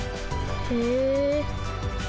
へえ。